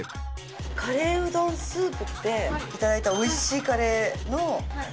カレーうどんスープっていただいたおいしいカレーの？